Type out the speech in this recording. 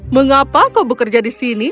mengapa kau bekerja di sini